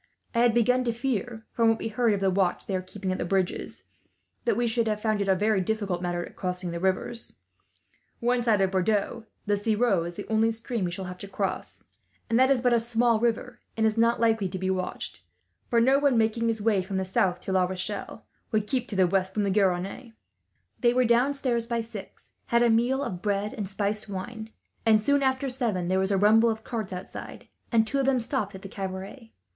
I had begun to fear, from what we heard of the watch they are keeping at the bridges, that we should have found it a very difficult matter crossing the rivers. Once out of Bordeaux the Ciron is the only stream we shall have to cross, and that is but a small river, and is not likely to be watched; for no one making his way from the south to La Rochelle would keep to the west of the Garonne." They were downstairs by six, had a meal of bread and spiced wine; and soon after seven there was a rumble of carts outside, and two of them stopped at the cabaret.